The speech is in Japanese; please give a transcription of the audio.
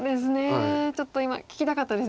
ちょっと今聞きたかったですね。